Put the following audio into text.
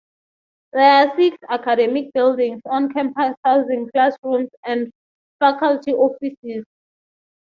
There are six academic buildings on campus housing classrooms and faculty offices.